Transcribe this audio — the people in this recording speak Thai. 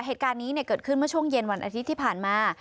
เหตุการณ์นี้เกิดขึ้นเมื่อช่วงเย็นวันอาทิตย์ที่ผ่านมา